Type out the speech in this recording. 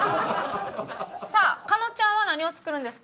さあ加納ちゃんは何を作るんですか？